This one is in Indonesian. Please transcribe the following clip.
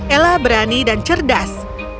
ella berani dan cerdas